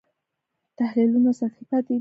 تحلیلونه سطحي پاتې دي.